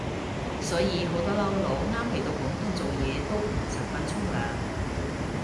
所以好多撈佬啱嚟到廣東做嘢都唔習慣沖涼